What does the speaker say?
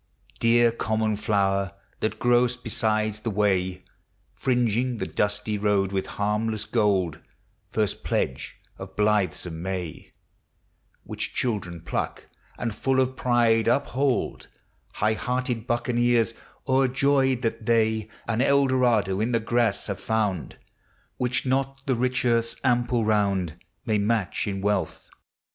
Dear common flower, that grow'st beside the way, Fringing the dusty road with harmless gold! First pledge of blithesome May, Which children pluck, and, full of pride, uphold — High hearted buccaneers, o'er joyed that they An Eldorado in the grass have found, Which not the rich earth's ample round May match in wealth